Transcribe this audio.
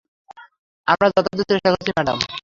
আমরা যথাসাধ্য চেষ্টা করছি, ম্যাডাম।